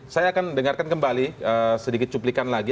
saya akan dengarkan kembali sedikit cuplikan lagi